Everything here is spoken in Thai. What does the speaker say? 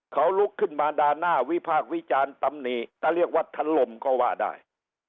เขาลุกขึ้นมาด่าหน้าวิพากษ์วิจารณ์ตำหนิถ้าเรียกว่าทันลมก็ว่าได้